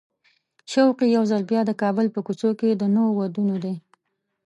شوق یې یو ځل بیا د کابل په کوڅو کې د نویو وادونو دی.